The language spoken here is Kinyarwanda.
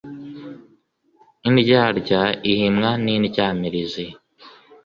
indyarya ihimwa n’indyamirizi